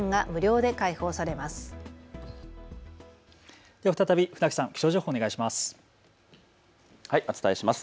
では再び船木さん、気象情報をお願いします。